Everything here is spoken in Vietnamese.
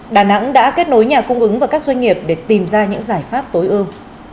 đà nẵng đã kết nối nhà cung ứng và các doanh nghiệp để tìm ra những giải pháp tối ưu